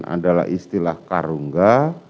adalah istilah karungga